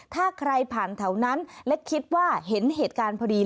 ถ้าใครผ่านแถวนั้นและคิดว่าเห็นเหตุการณ์พอดี